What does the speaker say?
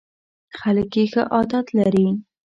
خلک یې ښه عاید لري.